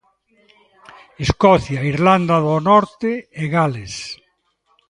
Escocia, Irlanda do Norte e Gales.